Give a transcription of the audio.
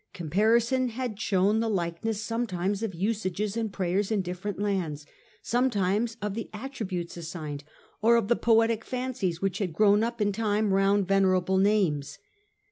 Comparison had shown the likeness sometimes of usages and prayers in different lands, sometimes of the attributes assigned, or of the poetic fancies which had grown up in time round venerable names.